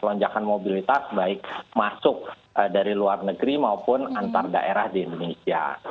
lonjakan mobilitas baik masuk dari luar negeri maupun antar daerah di indonesia